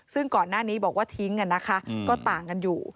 ซึ่งก่อนหน้านี้บอกว่าทิ้งกันนะคะก็ต่างกันอยู่